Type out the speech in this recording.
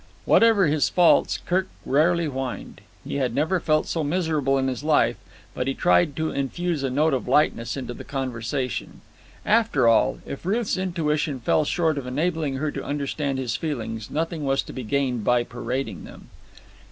Whatever his faults, Kirk rarely whined. He had never felt so miserable in his life, but he tried to infuse a tone of lightness into the conversation. After all, if Ruth's intuition fell short of enabling her to understand his feelings, nothing was to be gained by parading them.